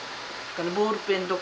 ボールペンとか。